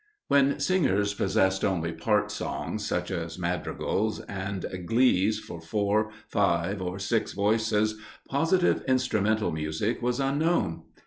When singers possessed only part songs, such as madrigals, and glees for four, five, or six voices, positive instrumental music was unknown.